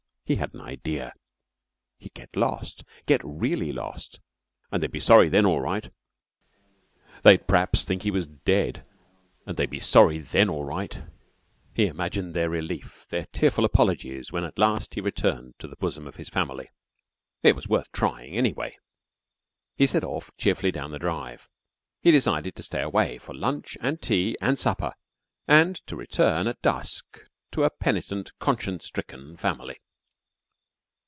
He had an idea. He'd get lost. He'd get really lost. They'd be sorry then alright. They'd p'r'aps think he was dead and they'd be sorry then alright. He imagined their relief, their tearful apologies when at last he returned to the bosom of his family. It was worth trying, anyway. He set off cheerfully down the drive. He decided to stay away for lunch and tea and supper, and to return at dusk to a penitent, conscience stricken family.